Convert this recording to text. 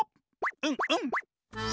うんうん。